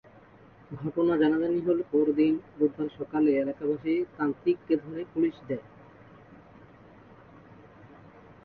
ঘটনা জানাজানি হলে পরদিন বুধবার সকালে এলাকাবাসী তান্ত্রিককে ধরে পুলিশ দেয়।